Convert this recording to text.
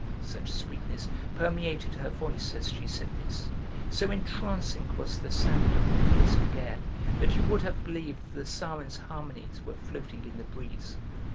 Such sweetness permeated her voice as she said this, so entrancing was the sound upon the listening air that you would have believed the Sirens' harmonies were floating in the breeze.